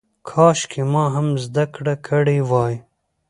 کاشکې ما هم زده کړه کړې وای.